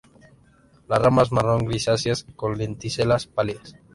Las ramas marrón grisáceas, con lenticelas pálidas.